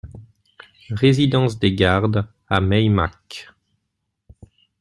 Résidence des Gardes à Meymac